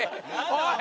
おい！